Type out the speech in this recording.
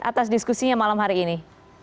atas diskusinya malam hari ini